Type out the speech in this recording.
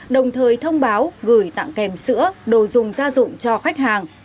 đồng thời thông báo gửi tặng kèm sữa đồ dùng gia dụng cho khách hàng